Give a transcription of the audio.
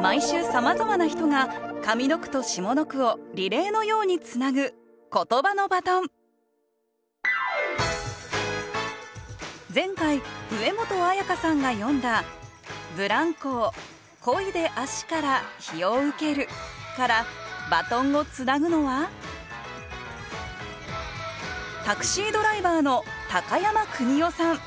毎週さまざまな人が上の句と下の句をリレーのようにつなぐ前回上本彩加さんが詠んだ「ブランコをこいで足から陽を受ける」からバトンをつなぐのはタクシードライバーの高山邦男さん。